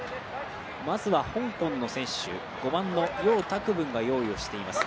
まずは香港の選手、５番のヨウ・タクブンが用意をしています